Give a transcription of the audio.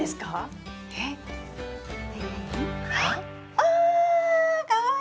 あかわいい！